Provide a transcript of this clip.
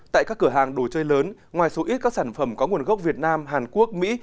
tại các cửa hàng đồ chơi lớn ngoài số ít các sản phẩm có nguồn gốc việt nam hàn quốc mỹ